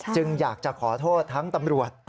อยากจะขอโทษทั้งตำรวจ